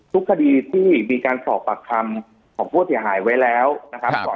ทุกคดีที่มีการสอบปากคำของผู้เสียหายไว้แล้วนะครับ